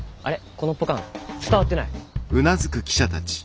このポカン伝わってない？